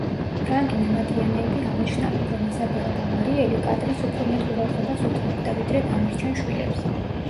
ფრანგი მემატიანეები აღნიშნავენ, რომ იზაბელა ბავარიელი კატრინს უფრო მეტ ყურადღებას უთმობდა ვიდრე დანარჩენ შვილებს.